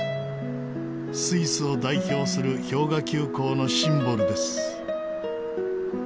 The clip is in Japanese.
スイスを代表する氷河急行のシンボルです。